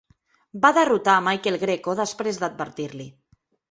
Va derrotar a Michael Greco després d'advertir-li.